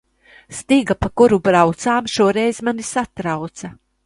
Stiga, pa kuru braucām, šoreiz mani satrauca.